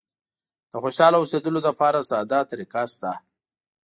د خوشاله اوسېدلو لپاره ساده طریقه شته.